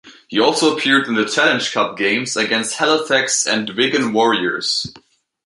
He also appeared in the Challenge Cup games against Halifax and Wigan Warriors.